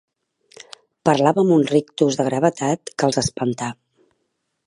Parlava amb un rictus de gravetat que els espantà.